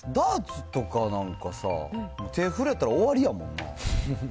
ダーツとか、なんかさ、手震えたら終わりやもんな。